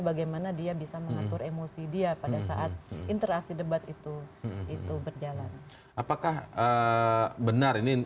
bagaimana dia bisa mengatur emosi dia pada saat interaksi debat itu itu berjalan apakah benar ini